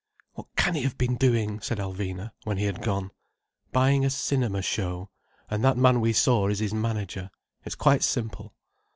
"What can he have been doing?" said Alvina when he had gone. "Buying a cinema show—and that man we saw is his manager. It's quite simple."